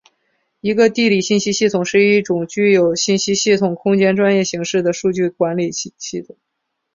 一个地理信息系统是一种具有信息系统空间专业形式的数据管理系统。